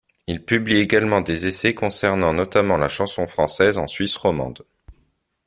Il publie également des essais concernant notamment la chanson française en Suisse romande.